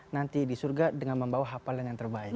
nanti di surga dengan membawa hafal yang terbaik